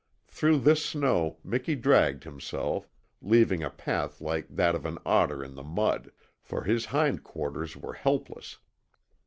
Through this snow Miki dragged himself, leaving a path like that of an otter in the mud, for his hind quarters were helpless.